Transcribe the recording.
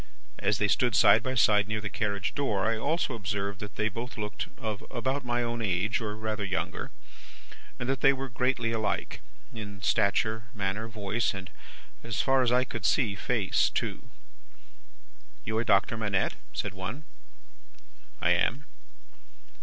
As they stood side by side near the carriage door, I also observed that they both looked of about my own age, or rather younger, and that they were greatly alike, in stature, manner, voice, and (as far as I could see) face too. "'You are Doctor Manette?' said one. "I am."